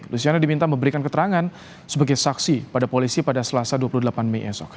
luciana diminta memberikan keterangan sebagai saksi pada polisi pada selasa dua puluh delapan mei esok